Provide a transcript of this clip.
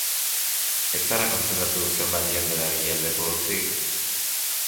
Ez zara konturatu zenbat jende dabilen lepo hutsik?